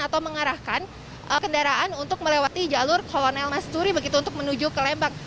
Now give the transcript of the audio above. atau mengarahkan kendaraan untuk melewati jalur kolonel masturi begitu untuk menuju ke lembang